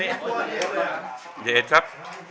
เย็นครับ